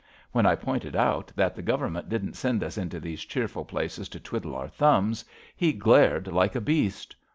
When I pointed out that the Government didn't send us into these cheerful places to twiddle our thumbs, he glared like a beast.